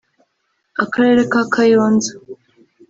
Akarere ka Kayonza